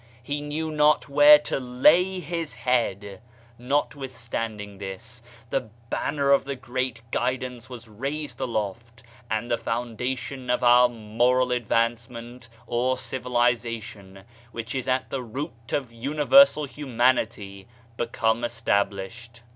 He knew not where to lay his head; notwithstanding this, the Banner of the Great Guidance was raised aloft, and the foundation of our moral advancement or civiliza tion, which is at the root of universal humanity, become established.